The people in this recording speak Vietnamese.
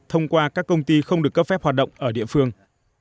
thông qua các công ty không được cấp phép hoạt động ở địa phương